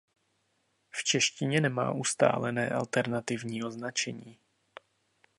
V češtině nemá ustálené alternativní označení.